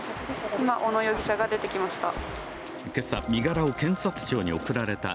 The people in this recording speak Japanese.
今、小野容疑者が出てきました。